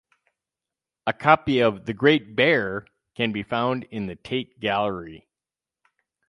A copy of "The Great Bear" can be found in the Tate Gallery.